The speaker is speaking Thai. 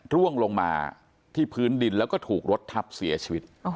ร่วงลงมาที่พื้นดินแล้วก็ถูกรถทับเสียชีวิต